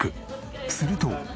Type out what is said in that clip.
すると。